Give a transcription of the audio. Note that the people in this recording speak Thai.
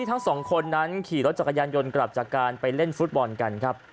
ทั้งสองคนนั้นขี่รถจักรยานยนต์กลับจากการไปเล่นฟุตบอลกันครับ